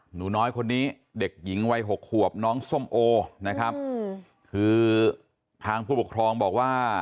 หนูน้อยคนนี้เด็กหญิงวัยหกขวบน้องส้มโอนะครับคือทางผู้ปกครองบอกว่า